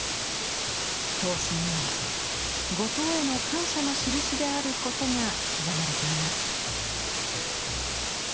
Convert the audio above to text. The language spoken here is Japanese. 刀身には後藤への感謝のしるしであることが刻まれています。